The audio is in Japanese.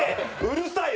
うるさい！